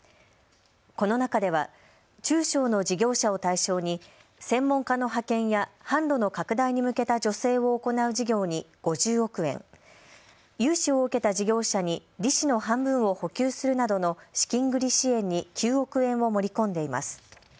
この中では中小の事業者を対象に専門家の派遣や販路の拡大に向けた助成を行う事業に５０億円、融資を受けた事業者に利子の半分を補給するなどの資金繰り支援に９億円を盛り込んでいます。